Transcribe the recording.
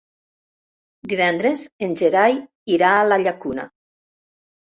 Divendres en Gerai irà a la Llacuna.